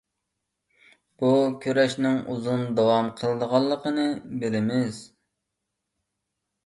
بۇ كۈرەشنىڭ ئۇزۇن داۋام قىلىدىغانلىقىنى بىلىمىز.